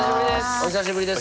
お久しぶりです。